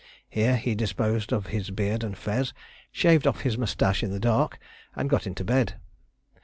Here he disposed of his beard and fez, shaved off his moustache in the dark, and got into bed.